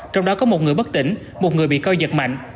trong đó có một người bất tỉnh một người bị coi giật mạnh